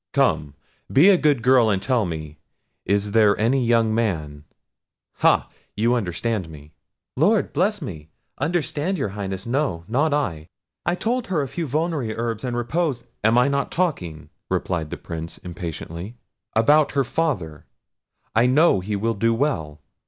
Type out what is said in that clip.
Come, be a good girl and tell me; is there any young man—ha!—you understand me." "Lord bless me! understand your Highness? no, not I. I told her a few vulnerary herbs and repose—" "I am not talking," replied the Prince, impatiently, "about her father; I know he will do well."